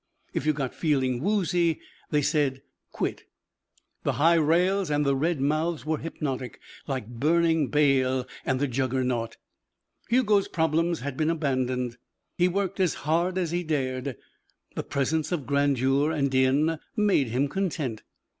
If you got feeling woozy, they said, quit. The high rails and red mouths were hypnotic, like burning Baal and the Juggernaut. Hugo's problems had been abandoned. He worked as hard as he dared. The presence of grandeur and din made him content.